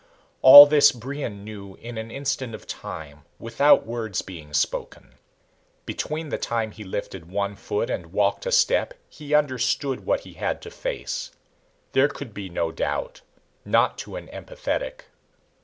All this Brion knew in an instant of time, without words being spoken. Between the time he lifted one foot and walked a step he understood what he had to face. There could be no doubt, not to an empathetic.